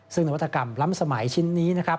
ซึ่งนวัตกรรมล้ำสมัยชิ้นนี้นะครับ